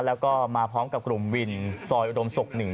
แล้วก็มาพร้อมกับกลุ่มวินซอยอุดมศุกร์๑